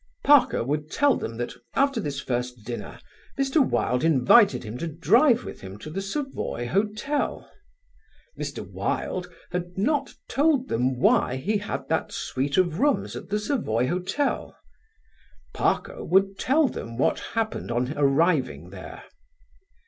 Parker would tell them that, after this first dinner, Mr. Wilde invited him to drive with him to the Savoy Hotel. Mr. Wilde had not told them why he had that suite of rooms at the Savoy Hotel. Parker would tell them what happened on arriving there.